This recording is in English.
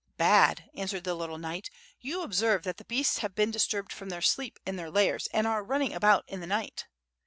"Bad!" answered the little knight. "You observe that the boasts have been disturbed from their sleep in their lairs, and are running about in the night."